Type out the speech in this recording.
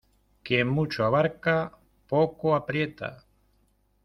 Quien mucho abarca, poco aprieta.